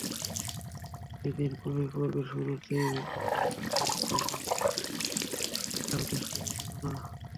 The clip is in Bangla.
সেদিন কফি পর্বের শুরুতেই রাহাত ভাইয়ের বিমর্ষ ভাবটা কারও দৃষ্টি এড়াল না।